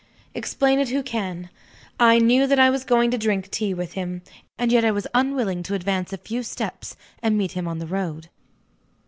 Explain it who can I knew that I was going to drink tea with him, and yet I was unwilling to advance a few steps, and meet him on the road!